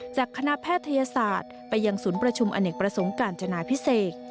จากคณะแพทยศาสตร์ไปยังศูนย์ประชุมอเนกประสงค์การจนาพิเศษ